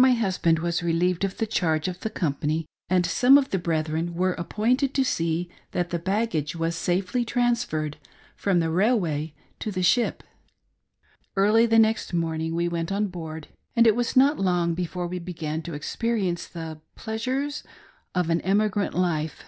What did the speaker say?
my husband was relieved of the charge of the company, and some of the brethren were appointed to see that the baggage was safely transferred from the railway to the ship. Early the next morning we went on board, and it was not long before we began to experience the pleasures (i") of an emi grant life.